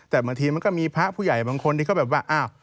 แต่บางทีมันก็มีพระผู้ใหญ่บางคนที่เขาแบบว่าอ้าว